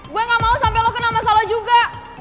gue gak mau sampai lo kena masalah juga